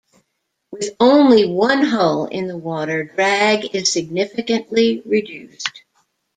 With only one hull in the water, drag is significantly reduced.